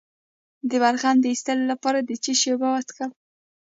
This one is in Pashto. د بلغم د ایستلو لپاره د څه شي اوبه وڅښم؟